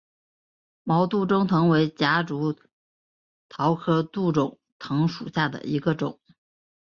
毛杜仲藤为夹竹桃科杜仲藤属下的一个种。